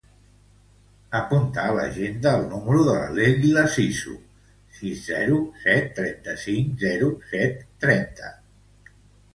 Apunta a l'agenda el número de la Leila Siso: sis, zero, set, trenta-cinc, zero, set, trenta.